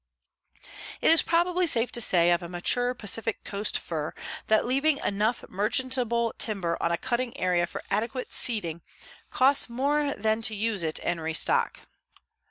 It is probably safe to say of mature Pacific coast fir that leaving enough merchantable timber on a cutting area for adequate seeding costs more than to use it and restock.